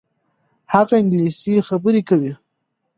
هغه انګلیسي خبرې کوي.